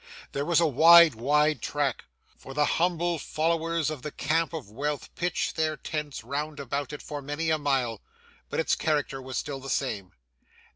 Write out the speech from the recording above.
This was a wide, wide track for the humble followers of the camp of wealth pitch their tents round about it for many a mile but its character was still the same.